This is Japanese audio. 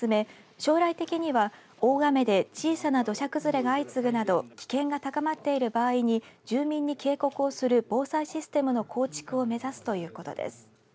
将来的には、大雨で小さな土砂崩れが相次ぐなど危険が高まっている場合に住民に警告をする防災システムの構築を目指すということです。